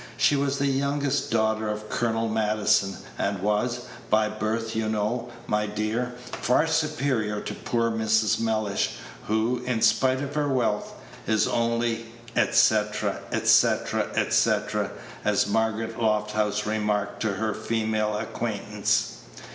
She was the youngest daughter of Colonel Maddison, and was, "by birth, you know, my dear, far superior to poor Mrs. Mellish, who, in spite of her wealth, is only, etc., etc., etc.," as Margaret Lofthouse remarked to her female acquaintance.